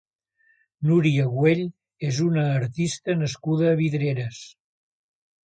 Núria Güell és una artista nascuda a Vidreres.